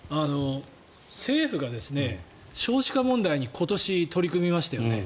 政府が少子化問題に今年、取り組みましたよね。